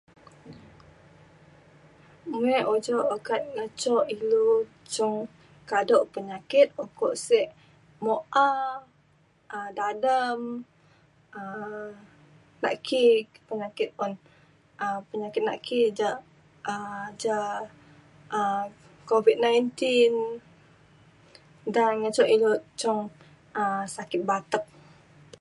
muek ujok okak ne cok ilu cung kado penyakit ukok sek mu’a um dadem um nak ki peng ake un um penyakit na ki ja um ja um Covid nineteen da na cok ilu cung um sakit batek